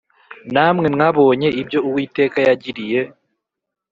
Namwe mwabonye ibyo Uwiteka yagiriye